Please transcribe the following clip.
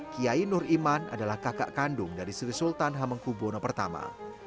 kiai nur iman adalah kakak kandung dari sri sultan hamengku buwono i